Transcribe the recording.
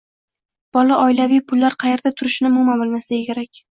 bola oilaviy pullar qayerda turishini umuman bilmasligi kerak.